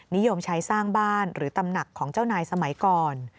นิยมใช้สร้างบ้านหรือตำหนักของเจ้านายสมัยก่อน